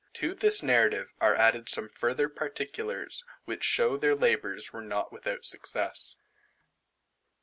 To this Narrative are added some further particulars, which show their labours were not without success.